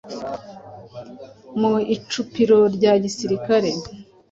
Mu icapiro rya gisirikare